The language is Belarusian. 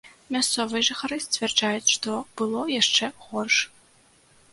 Мясцовыя жыхары сцвярджаюць, што было яшчэ горш.